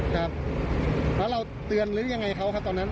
ครับแล้วเราเตือนหรือยังไงเขาครับตอนนั้น